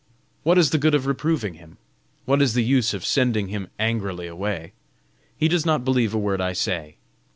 What is the good of reproving him? What is the use of sending him angrily away? He does not believe a word I say.